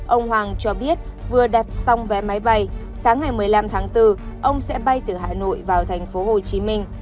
ông hoàng cho biết vừa đặt xong vé máy bay sáng ngày một mươi năm tháng bốn ông sẽ bay từ hà nội vào thành phố hồ chí minh